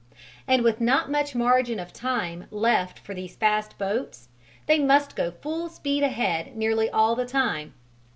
And with not much margin of time left for these fast boats, they must go full speed ahead nearly all the time.